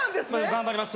頑張ります